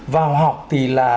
vào học thì là